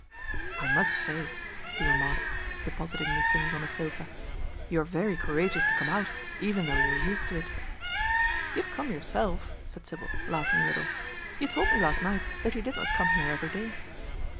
"I must say," he remarked, depositing the things on a sofa, "you are very courageous to come out, even though you are used to it." "You have come yourself," said Sybil, laughing a little. "You told me last night that you did not come here every day."